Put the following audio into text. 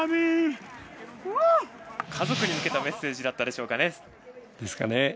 家族に向けたメッセージだったでしょうか。